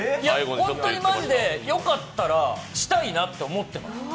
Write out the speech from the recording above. ホントにマジでよかったら、したいなと思ってます。